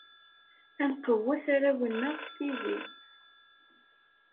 Ad nqewwet arraw-nneɣ s tidi.